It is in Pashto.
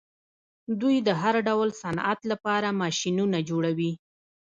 دوی د هر ډول صنعت لپاره ماشینونه جوړوي.